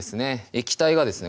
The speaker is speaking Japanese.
液体がですね